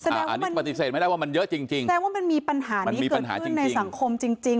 อันนี้ปฏิเสธไม่ได้ว่ามันเยอะจริงจริงแสดงว่ามันมีปัญหามันมีปัญหาจริงในสังคมจริงจริง